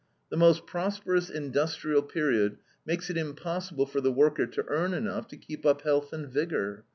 " The most "prosperous" industrial period makes it impossible for the worker to earn enough to keep up health and vigor.